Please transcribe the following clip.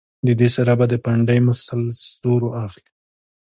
د دې سره به د پنډۍ مسلز زور اخلي